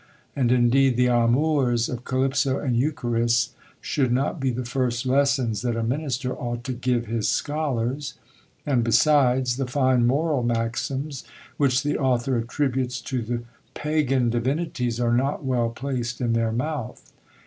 And indeed the amours of Calypso and Eucharis should not be the first lessons that a minister ought to give his scholars; and, besides, the fine moral maxims which the author attributes to the Pagan divinities are not well placed in their mouth.